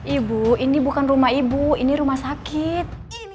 ibu ini bukan rumah ibu ini rumah sakit